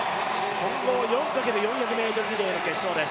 混合４×４００ｍリレーの決勝です。